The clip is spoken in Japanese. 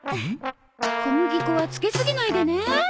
小麦粉はつけすぎないでね。